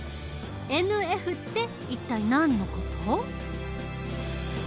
「ＮＦ」って一体何の事？